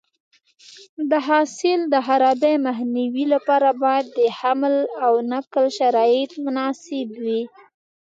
د حاصل د خرابي مخنیوي لپاره باید د حمل او نقل شرایط مناسب وي.